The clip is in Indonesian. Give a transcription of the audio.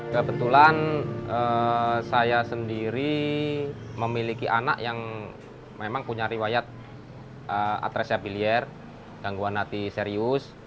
kebetulan saya sendiri memiliki anak yang memang punya riwayat atresia bilier gangguan hati serius